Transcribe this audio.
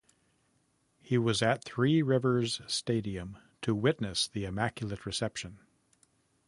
He was at Three Rivers Stadium to witness the Immaculate Reception.